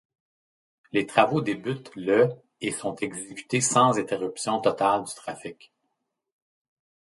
Les travaux débutent le et sont exécutés sans interruption totale du trafic.